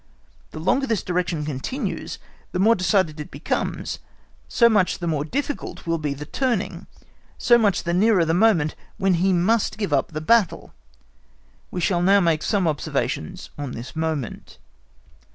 The longer this direction continues, the more decided it becomes, so much the more difficult will be the turning, so much the nearer the moment when he must give up the battle. We shall now make some observations on this moment.